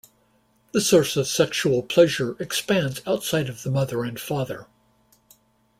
The source of sexual pleasure expands outside of the mother and father.